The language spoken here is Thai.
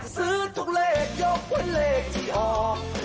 ซื้อทุกเลขยกว่าเลขที่ออก